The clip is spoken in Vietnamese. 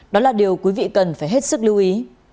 đó là điều quý vị cần phải hết sức lưu ý